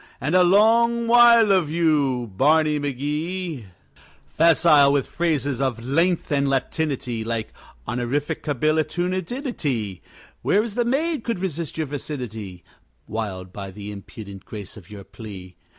And a long while of you, Barney McGee! Facile with phrases of length and Latinity, Like honorificabilitudinity, Where is the maid could resist your vicinity, Wiled by the impudent grace of your plea?